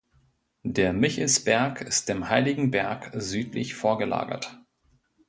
Der Michelsberg ist dem Heiligenberg südlich vorgelagert.